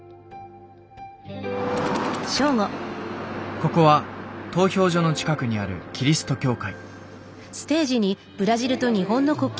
ここは投票所の近くにあるキリスト教会。